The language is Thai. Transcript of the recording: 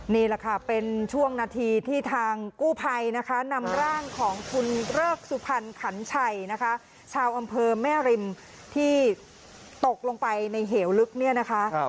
นี่แหละค่ะเป็นช่วงนาทีที่ทางกู้ภัยนะคะนำร่างของคุณเริกสุพรรณขันชัยนะคะชาวอำเภอแม่ริมที่ตกลงไปในเหวลึกเนี่ยนะคะ